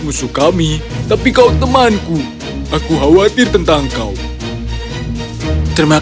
musuh kami tapi kau temanku kau bisa membuat kapal untukmu mereka tetap musuh kami tapi kau temanku kau bisa membuat kapal untukmu mereka tetap musuh kami tapi kau temanku